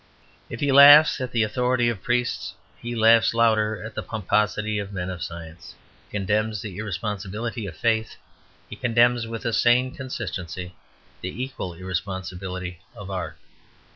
If he laughs at the authority of priests, he laughs louder at the pomposity of men of science. If he condemns the irresponsibility of faith, he condemns with a sane consistency the equal irresponsibility of art.